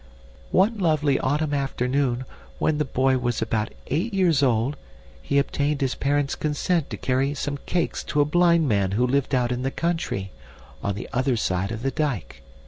"One lovely autumn afternoon, when the boy was about eight years old, he obtained his parents' consent to carry some cakes to a blind man who lived out in the country, on the other side of the dike.